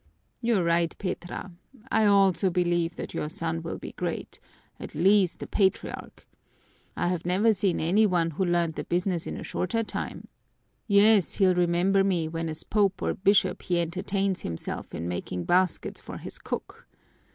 "You're right, Petra. I also believe that your son will be great, at least a patriarch. I have never seen any one who learned the business in a shorter time. Yes, he'll remember me when as Pope or bishop he entertains himself in making baskets for his cook.